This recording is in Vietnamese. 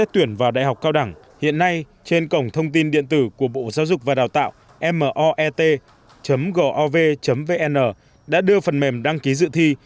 tuyển vào đại học cao đẳng hiện nay trên cổng thông tin điện tử của bộ giáo dục và đào tạo moet gov vn đã đưa phần mềm đăng ký dự thi